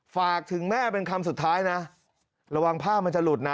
ฝากถึงแม่เป็นคำสุดท้ายนะระวังผ้ามันจะหลุดนะ